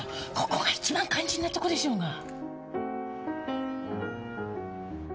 ここが一番肝心なとこでしょうが。